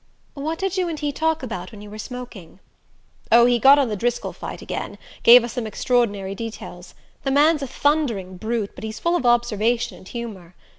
"What did you and he talk about when you were smoking?" "Oh, he got on the Driscoll fight again gave us some extraordinary details. The man's a thundering brute, but he's full of observation and humour.